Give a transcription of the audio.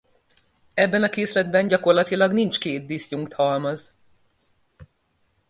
Ebben a készletben gyakorlatilag nincs két diszjunkt halmaz.